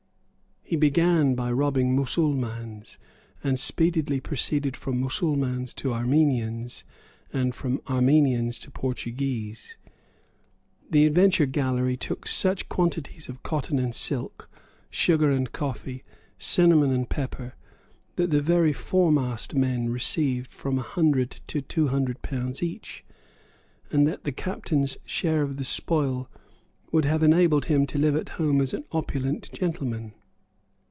He began by robbing Mussulmans, and speedily proceeded from Mussulmans to Armenians, and from Armenians to Portuguese. The Adventure Galley took such quantities of cotton and silk, sugar and coffee, cinnamon and pepper, that the very foremast men received from a hundred to two hundred pounds each, and that the captain's share of the spoil would have enabled him to live at home as an opulent gentleman.